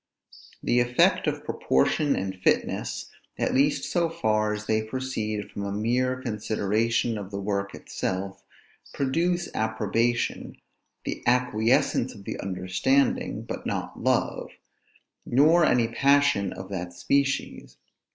The effect of proportion and fitness, at least so far as they proceed from a mere consideration of the work itself, produce approbation, the acquiescence of the understanding, but not love, nor any passion of that species.